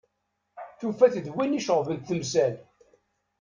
Tufa-t d win i iceɣben-tt temsal.